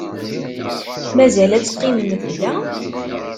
Mazal ad teqqimemt da?